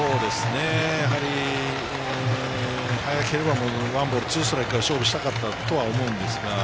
やはり、早ければ１ボール２ストライクから勝負したかったと思うんです。